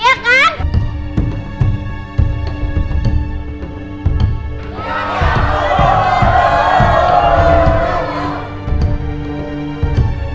ya udah jamin aja